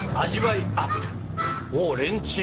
おっレンチン。